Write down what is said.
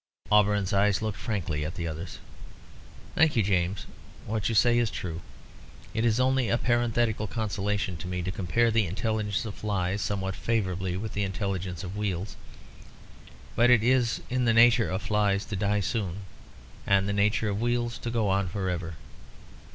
Auberon's eyes looked frankly at the other's. "Thank you, James; what you say is true. It is only a parenthetical consolation to me to compare the intelligence of flies somewhat favourably with the intelligence of wheels. But it is the nature of flies to die soon, and the nature of wheels to go on for ever.